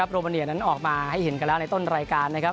โรมาเนียนั้นออกมาให้เห็นกันแล้วในต้นรายการนะครับ